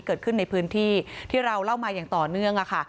เกิดขึ้นในพื้นที่ที่เราเล่ามาอย่างต่อเนื่องค่ะ